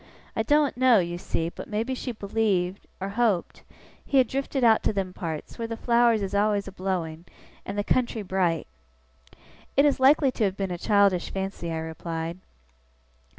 I doen't know, you see, but maybe she believed or hoped he had drifted out to them parts, where the flowers is always a blowing, and the country bright.' 'It is likely to have been a childish fancy,' I replied.